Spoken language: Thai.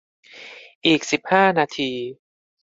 อีกสิบห้านาที